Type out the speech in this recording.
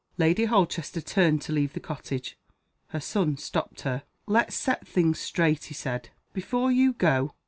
Lady Holchester turned to leave the cottage. Her son stopped her. "Let's set things straight," he said, "before you go.